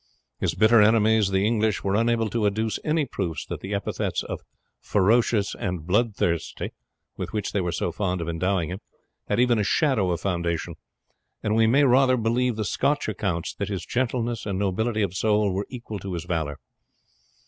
His bitter enemies the English were unable to adduce any proofs that the epithets of ferocious and bloodthirsty, with which they were so fond of endowing him, had even a shadow of foundation, and we may rather believe the Scotch accounts that his gentleness and nobility of soul were equal to his valour.